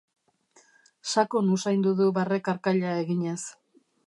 Sakon usaindu du barre-karkaila eginez.